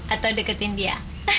atau deketin dia